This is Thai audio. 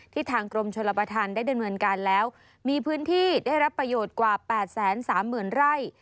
ทางกรมชลประธานได้ดำเนินการแล้วมีพื้นที่ได้รับประโยชน์กว่า๘๓๐๐๐ไร่